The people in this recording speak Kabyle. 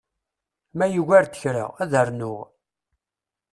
Ma yugar-d kra, ad rnuɣ.